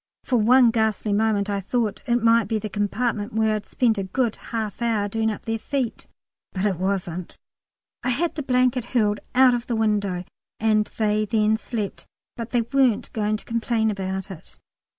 (For one ghastly moment I thought it might be the compartment where I'd spent a good half hour doing up their feet, but it wasn't.) I had the blanket hurled out of the window, and they then slept. But they weren't going to complain about it.